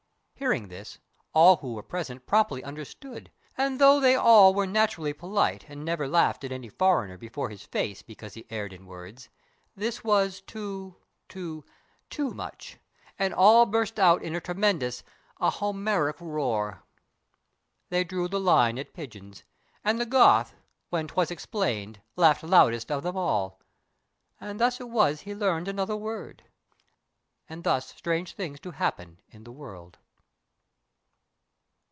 Hearing this, All who were present promptly understood; And though they all were naturally polite, And never laughed at any foreigner Before his face, because he erred in words, This was too—too—too much, and all burst out In a tremendous—an Homeric roar. They drew the line at pigeons; and the Goth When 'twas explained laughed loudest of them all; And thus it was he learned another word. And thus strange things do happen in the world.